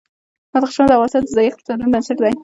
بدخشان د افغانستان د ځایي اقتصادونو بنسټ دی.